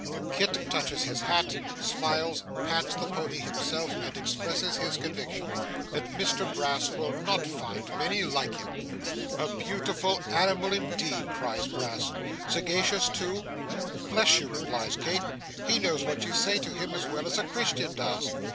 Kit touches his hat, smiles, pats the pony himself, and expresses his conviction, 'that Mr Brass will not find many like him.' 'A beautiful animal indeed!' cries Brass. 'Sagacious too?' 'Bless you!' replies Kit, 'he knows what you say to him as well as a Christian does.